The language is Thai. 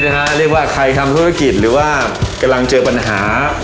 เรียกว่าใครทำธุรกิจหรือว่ากำลังเจอปัญหา